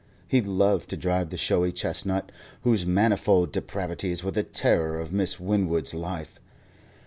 He loved to drive the showy chestnut, whose manifold depravities were the terror of Miss Winwood's life.